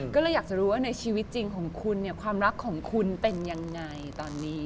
ก็เลยอยากจะรู้ว่าในชีวิตจริงของคุณเนี่ยความรักของคุณเป็นยังไงตอนนี้